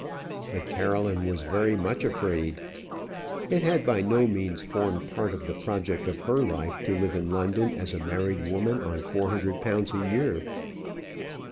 But Caroline was very much afraid. It had by no means formed part of the project of her life to live in London as a married woman on four hundred pounds a year.